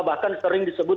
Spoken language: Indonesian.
bahkan sering disebut